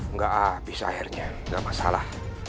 nggak bisa akhirnya nggak masalah